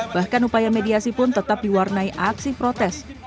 bahkan upaya mediasi pun tetap diwarnai aksi protes